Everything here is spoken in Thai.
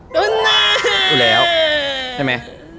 อยู่แล้วใช่ไหม